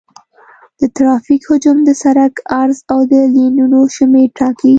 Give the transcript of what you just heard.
د ترافیک حجم د سرک عرض او د لینونو شمېر ټاکي